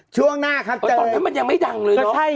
ช่วงหน้าครับเจอแล้วปูปุ๊บพ่อนตอนยังไม่ดังเลยเนอะหรอก็อย่างนี้